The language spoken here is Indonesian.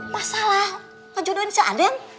masalah ngejudoin si aden